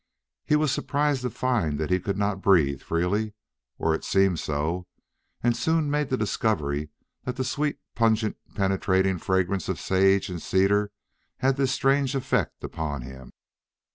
He was surprised to find that he could not breathe freely, or it seemed so, and soon made the discovery that the sweet, pungent, penetrating fragrance of sage and cedar had this strange effect upon him.